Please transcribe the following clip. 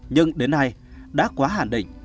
nhưng đến nay đã quá hạn định